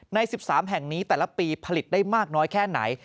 ใน๑๓แห่งนี้แต่ละปีผลิตได้มากน้อยแค่ไหน